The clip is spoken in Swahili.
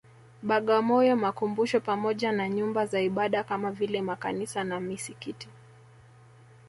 Bagamoyo makumbusho pamoja na Nyumba za Ibada kama vile Makanisa na Misikiti